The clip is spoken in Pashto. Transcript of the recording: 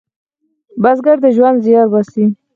بزګر د ژوند زیار باسي